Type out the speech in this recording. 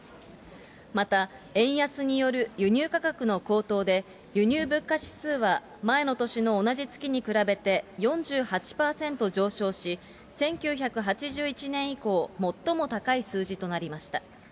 また、円安による輸入価格の高騰で、輸入物価指数は、前の年の同じ月に比べて４８％上昇し、１９８１年以降、最も高い数字となりました。